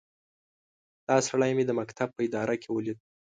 دا سړی مې د مکتب په اداره کې وليد.